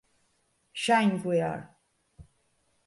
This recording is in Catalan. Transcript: "Shine We Are!"